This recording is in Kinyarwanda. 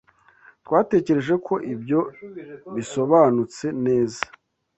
Twatekereje ko ibyo bisobanutse neza.